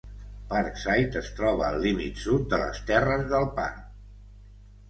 Parkside es troba al límit sud de les terres del parc.